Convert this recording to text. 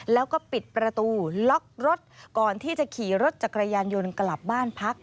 แล้วก็ปิดประตูล็อกรถก่อนที่จะขี่รถจักรยานยนต์กลับบ้านพัก